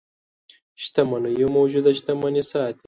شتمنيو موجوده شتمني ساتي.